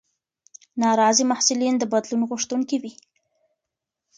ناراضي محصلین د بدلون غوښتونکي وي.